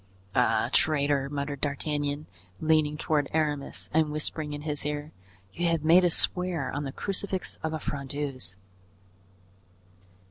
"Ah, traitor!" muttered D'Artagnan, leaning toward Aramis and whispering in his ear, "you have made us swear on the crucifix of a Frondeuse."